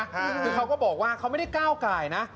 คือเขาก็บอกว่าเขาไม่ได้ก้าวไก่นะ